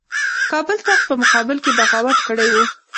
کابل تخت په مقابل کې بغاوت کړی وو.